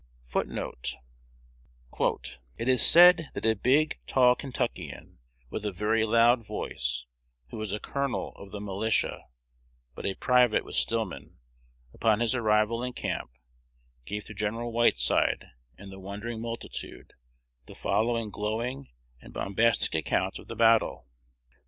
1 1 "It is said that a big, tall Kentuckian, with a very loud voice, who was a colonel of the militia, but a private with Stillman, upon his arrival in camp, gave to Gen. Whiteside and the wondering multitude the following glowing and bombastic account of the battle.